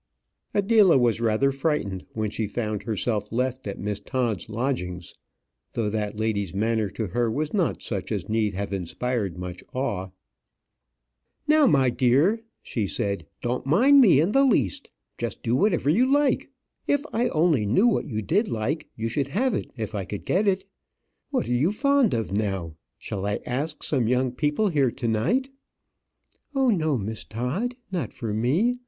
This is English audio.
Adela was rather frightened when she found herself left at Miss Todd's lodgings; though that lady's manner to her was not such as need have inspired much awe. "Now, my dear," she said, "don't mind me in the least. Do just whatever you like. If I only knew what you did like, you should have it if I could get it. What are you fond of now? Shall I ask some young people here to night?" "Oh, no, Miss Todd; not for me.